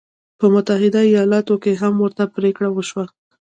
په متحده ایالتونو کې هم ورته پرېکړه وشوه.